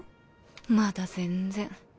まだ全然。